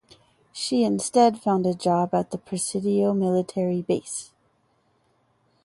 She instead found a job at the Presidio military base.